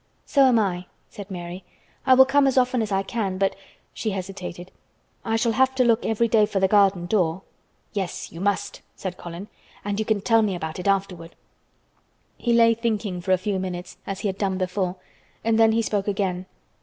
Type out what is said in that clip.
"So am I," said Mary. "I will come as often as I can, but"—she hesitated—"I shall have to look every day for the garden door." "Yes, you must," said Colin, "and you can tell me about it afterward." He lay thinking a few minutes, as he had done before, and then he spoke again.